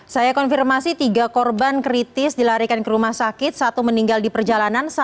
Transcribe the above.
saya konfirmasi tiga korban kritis dilarikan ke rumah sakit satu meninggal di perjalanan